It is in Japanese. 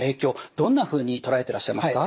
どんなふうに捉えてらっしゃいますか？